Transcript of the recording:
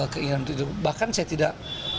keinginan itu bahkan saya tidak